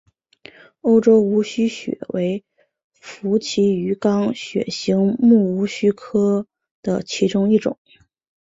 欧洲无须鳕为辐鳍鱼纲鳕形目无须鳕科的其中一种。